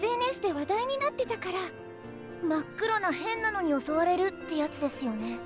真っ黒な変なのに襲われるってやつですよね。